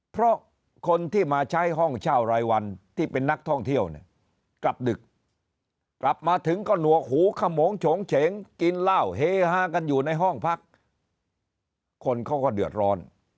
เพราะคนที่มาใช้ห้องเช่ารายวันที่เป็นนักท่องเที่ยวเนี่ยกลับดึกกลับมาถึงก็หนวกหูขมงโฉงเฉงกินเหล้าเฮฮากันอยู่ในห้องพักคนเขาก็เดือดร้อน